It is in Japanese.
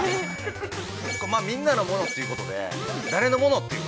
みんなのものということで、誰のものという。